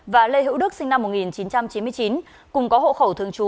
và lê hữu đức sinh năm một nghìn chín trăm chín mươi chín cùng có hộ khẩu thương chú